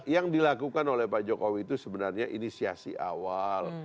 yang dilakukan oleh pak jokowi itu sebenarnya inisiasi awal